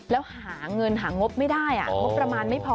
แล้วหาเงินหางบไม่ได้งบประมาณไม่พอ